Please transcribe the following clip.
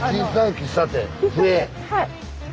はい。